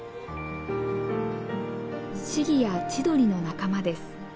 シギやチドリの仲間です。